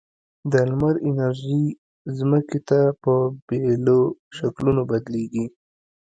د لمر انرژي ځمکې ته په بېلو شکلونو بدلیږي.